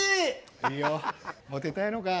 いいよモテたいのか。